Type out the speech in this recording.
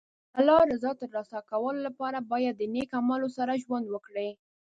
د الله رضا ترلاسه کولو لپاره باید د نېک عملونو سره ژوند وکړي.